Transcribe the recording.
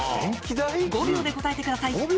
５秒で答えてください